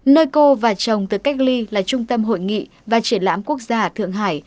nơi cô và chồng tự cách ly là trung tâm hội nghị và triển lãm quốc gia thượng hải